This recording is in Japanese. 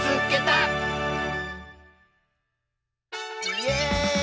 イエーイ！